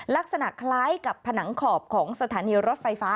ลักษณะคล้ายกับผนังขอบของสถานีรถไฟฟ้า